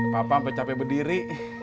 papa sampe capek berdiri